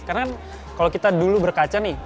karena kalau kita dulu berkaca nih